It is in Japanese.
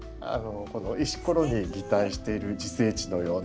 石ころに擬態している自生地のような。